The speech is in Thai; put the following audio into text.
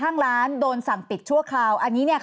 ทางประกันสังคมก็จะสามารถเข้าไปช่วยจ่ายเงินสมทบให้๖๒